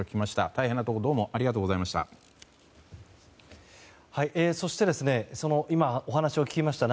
大変なところどうもありがとうございました。